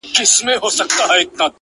اوس له كندهاره روانـېـــږمه ـ